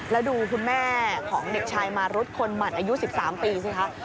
แล้วดูคุณแม่ของเด็กชายมารุษคนหมั่นอายุ๑๓ปีสิคะ